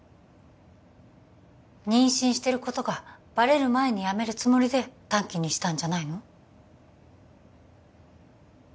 妊娠してることがバレる前に辞めるつもりで短期にしたんじゃないの？